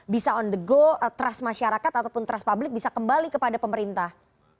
bisa on the go trust masyarakat ataupun trust publik bisa kembali kepada pemerintah